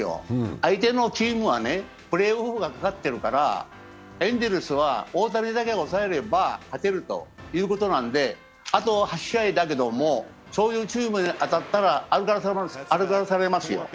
相手のチームはプレーオフがかかっているからエンゼルスは大谷だけ抑えれば勝てるということなんであと８試合だけど、そういうチームに当たったら歩かされますよ。